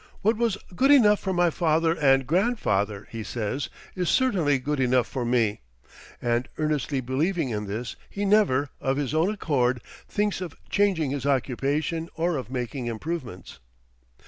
"What was good enough for my father and grandfather," he says, "is certainly good enough for me;" and earnestly believing in this, he never, of his own accord, thinks of changing his occupation or of making improvements.